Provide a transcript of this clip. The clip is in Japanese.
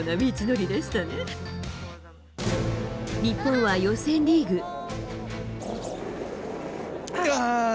日本は予選リーグ。